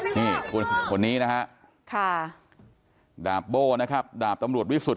นี่คนนี้นะฮะดาบโบ้นะครับดาบตำรวจวิสุทธิ